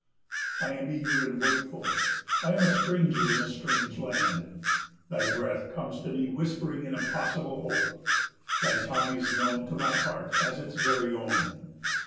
I am eager and wakeful, I am a stranger in a strange land. Thy breath comes to me whispering an impossible hope. Thy tongue is known to my heart as its very own.